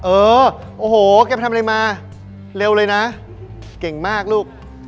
เออโอ้โหแกไปทำอะไรมาเร็วเลยนะเก่งมากลูก